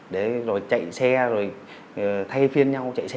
đấy rồi chạy xe rồi thay phiên nhau chạy xe